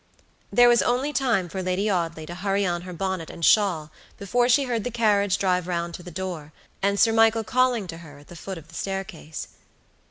There was only time for Lady Audley to hurry on her bonnet and shawl before she heard the carriage drive round to the door, and Sir Michael calling to her at the foot of the staircase.